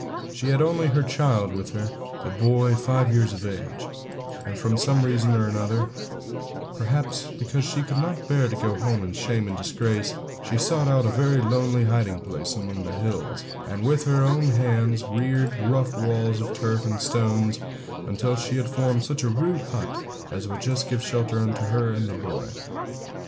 She had her only child with her, a boy five years of age; and from some reason or other, perhaps because she could not bear to go home in shame and disgrace, she sought out a very lonely hiding place among the hills, and with her own hands reared rough walls of turf and stones, until she had formed such a rude hut as would just give shelter to her and her boy.